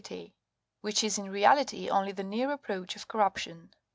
281 which is in reality only the near approach of corruption.